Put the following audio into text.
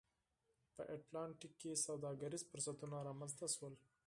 په اتلانتیک کې سوداګریز فرصتونه رامنځته شول